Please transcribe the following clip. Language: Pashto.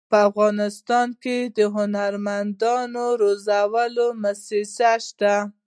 په افغانستان کې د هنرمندانو روزلو مؤسسې شته.